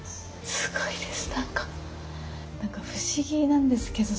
すごいです。